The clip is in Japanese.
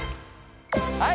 はい。